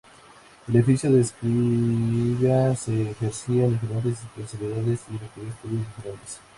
El oficio de escriba se ejercía en diferentes especialidades y requería estudios diferentes.